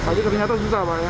tapi keminyataan susah pak